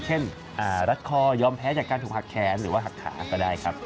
รัดคอยอมแพ้จากการถูกหักแขนหรือว่าหักขาก็ได้ครับ